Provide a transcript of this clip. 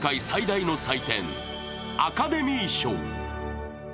最大の祭典、アカデミー賞。